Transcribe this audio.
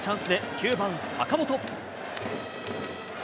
９番坂本。